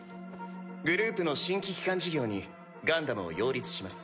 グループの新規基幹事業にガンダムを擁立します。